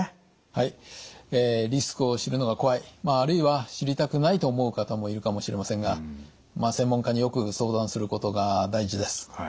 はいリスクを知るのが怖いあるいは知りたくないと思う方もいるかもしれませんが専門家によく相談することが大事です。